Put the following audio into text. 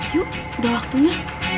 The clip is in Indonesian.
yuk udah waktunya